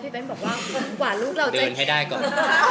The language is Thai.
เบ้นบอกว่ากว่าลูกเราจะเดินให้ได้ก่อน